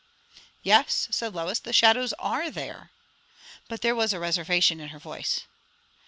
"Yes," said Lois, "the shadows are there." But there was a reservation in her voice.